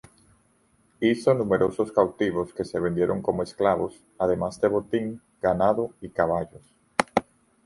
Hizo numerosos cautivos que se vendieron como esclavos, además de botín, ganado y caballos.